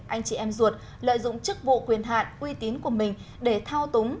anh chị em ruột lợi dụng chức vụ quyền hạn uy tín của mình để thao túng